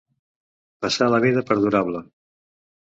Passar la vida perdurable.